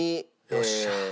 よっしゃ！